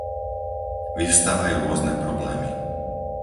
Vyvstávajú rôzne problémy.